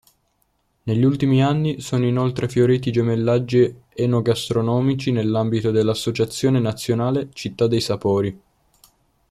Negli ultimi anni, sono inoltre fioriti gemellaggi enogastronomici nell'ambito dell'Associazione Nazionale Città dei Sapori.